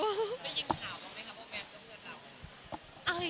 ได้ยินข่าวบ้างไหมครับว่าแมทก็เพื่อนเรา